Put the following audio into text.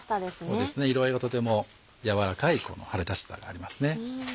そうですね色合いがとてもやわらかい春らしさがありますね。